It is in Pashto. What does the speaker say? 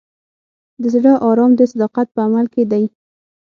د زړه ارام د صداقت په عمل کې دی.